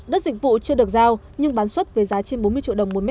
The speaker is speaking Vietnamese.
đất dịch vụ chưa được giao nhưng bán xuất với giá trên bốn mươi triệu đồng một m hai